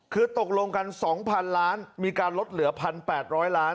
คือตกลงกัน๒๐๐๐ล้านมีการลดเหลือ๑๘๐๐ล้าน